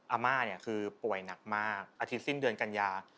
อาม่าเนี่ยคือป่วยหนักมากอาทิตยสิ้นเดือนกันยา